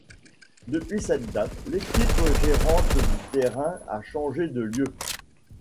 Depuis cette date, l'équipe gérante du terrain a changé de lieu.